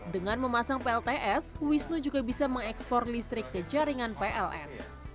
dengan memasang plts wisnu juga bisa mengekspor listrik ke jaringan pln